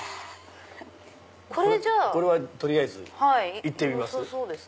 これ取りあえず行ってみます？